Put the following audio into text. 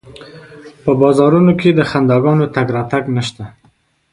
په بازارونو کې د خنداګانو تګ راتګ نشته